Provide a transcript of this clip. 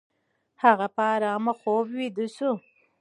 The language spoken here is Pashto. هغه په آرامه خوب ویده شو.